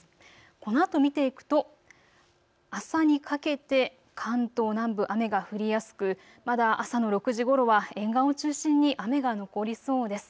このあと見ていくと朝にかけて関東南部、雨が降りやすく、まだ朝の６時ごろは沿岸を中心に雨が残りそうです。